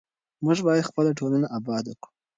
موږ باید خپله ټولنه اباده کړو.